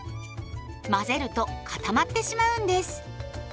混ぜると固まってしまうんです。